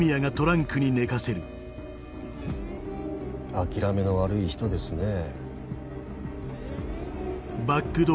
諦めの悪い人ですねぇ。